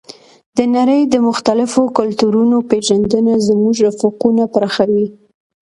د نړۍ د مختلفو کلتورونو پېژندنه زموږ افقونه پراخوي.